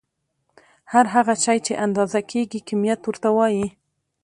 هر هغه شی چې اندازه کيږي کميت ورته وايې.